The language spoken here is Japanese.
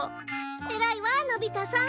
偉いわのび太さん。